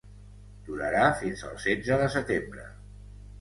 Durarà fins el setze de setembre.